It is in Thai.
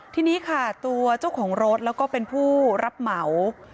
ทีนี้ค่ะตัวเจ้าของรถแล้วก็เป็นผู้รับเหมา